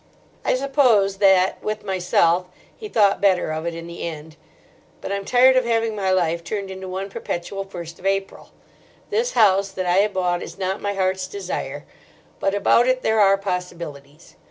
"I suppose that, with myself, he thought better of it in the end. But I'm tired of having my life turned into one perpetual first of April. This house that I have bought is not my heart's desire, but about it there are possibilities.